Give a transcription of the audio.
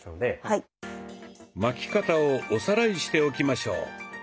巻き方をおさらいしておきましょう。